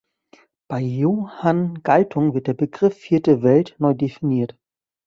Bei Johan Galtung wird der Begriff "Vierte Welt" neu definiert.